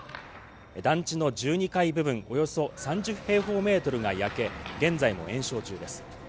団地の１２階部分およそ３０平方メートルが焼け、現在も延焼中です。